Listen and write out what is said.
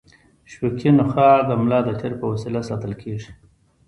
شوکي نخاع د ملا د تیر په وسیله ساتل کېږي.